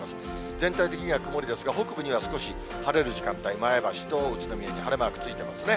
全体的には曇りですが、北部には少し晴れる時間帯、前橋と宇都宮に晴れマークついてますね。